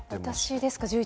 私ですか？